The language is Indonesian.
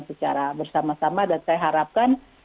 secara bersama sama dan saya harapkan